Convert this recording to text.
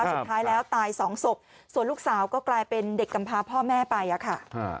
สุดท้ายแล้วตายสองศพส่วนลูกสาวก็กลายเป็นเด็กกำพาพ่อแม่ไปอะค่ะ